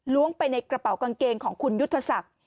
ไปในกระเป๋ากางเกงของคุณยุทธศักดิ์